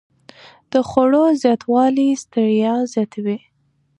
د خوړو زیاتوالی ستړیا زیاتوي.